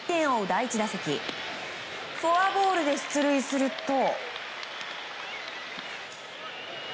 第１打席フォアボールで出塁すると。